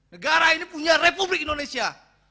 negara ini punya republik indonesia